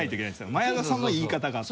前田さんの言い方があって。